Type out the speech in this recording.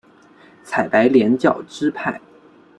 采白莲教支派。